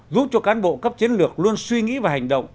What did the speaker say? giúp cho cán bộ cấp chiến lược luôn suy nghĩ và hành động